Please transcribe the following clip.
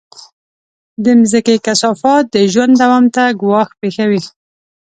د مځکې کثافات د ژوند دوام ته ګواښ پېښوي.